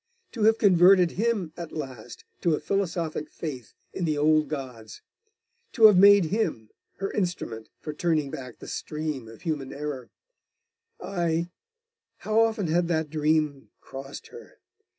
To have converted him at last to a philosophic faith in the old gods! To have made him her instrument for turning back the stream of human error I... How often had that dream crossed her!